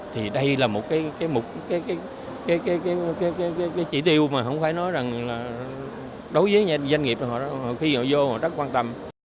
thì đây là một cái chỉ tiêu mà không phải nói đối với doanh nghiệp khi họ vô họ rất quan tâm